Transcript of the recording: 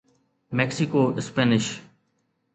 Mexico Spanish